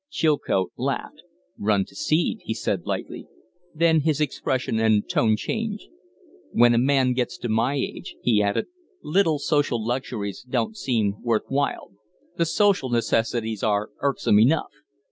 Chilcote laughed. "Run to seed," he said, lightly. Then his expression and tone changed. "When a man gets to my age," he added, "little social luxuries don't seem worth while; the social necessities are irksome enough.